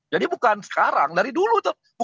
jadi bukan sekarang dari dulu